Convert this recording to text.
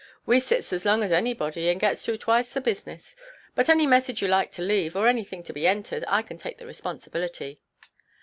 We sits as long as anybody, and gets through twice the business. But any message you like to leave, or anything to be entered, I can take the responsibility."